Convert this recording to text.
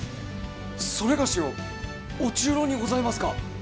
それがしを御中臈にございますか！？